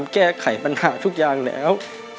แก้ไขปัญหาทุกอย่างแล้ว